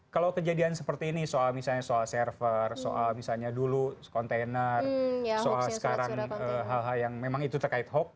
kalau kejadian seperti ini soal misalnya soal server soal misalnya dulu kontainer soal sekarang hal hal yang memang itu terkait hoax